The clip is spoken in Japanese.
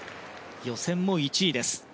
予選も１位です。